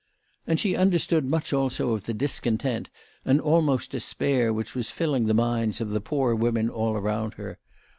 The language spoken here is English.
And she understood much also of the discontent and almost despair which was filling the minds of the poor women all around her.